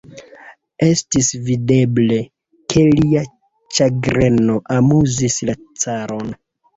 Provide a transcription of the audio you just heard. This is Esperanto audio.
Estis videble, ke lia ĉagreno amuzis la caron.